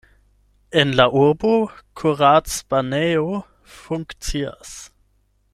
En la urbo kuracbanejo funkcias.